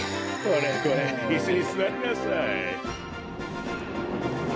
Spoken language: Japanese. これこれいすにすわりなさい。